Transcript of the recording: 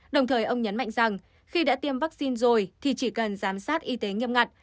đồng thời ông nhấn mạnh rằng khi đã tiêm vaccine rồi thì chỉ cần giám sát y tế nghiêm ngặt